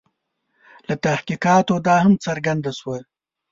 له تحقیقاتو دا هم څرګنده شوه.